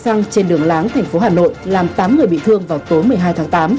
răng trên đường láng thành phố hà nội làm tám người bị thương vào tối một mươi hai tháng tám